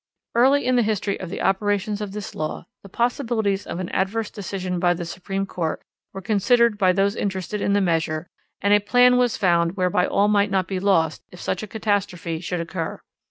_ Early in the history of the operations of this law the possibilities of an adverse decision by the Supreme Court were considered by those interested in the measure, and a plan was found whereby all might not be lost if such a catastrophe should occur.